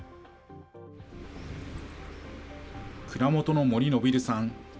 蔵元の森暢さん。